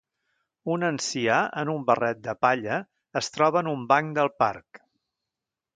Un ancià en un barret de palla es troba en un banc del parc